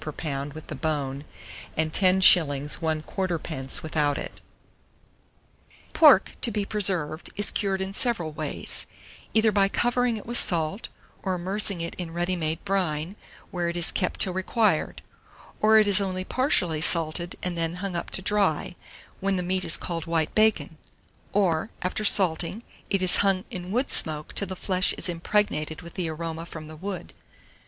per pound with the bone, and 10 1/4d. without it. 794. PORK, TO BE PRESERVED, is cured in several ways, either by covering it with salt, or immersing it in ready made brine, where it is kept till required; or it is only partially salted, and then hung up to dry, when the meat is called white bacon; or, after salting, it is hung in wood smoke till the flesh is impregnated with the aroma from the wood.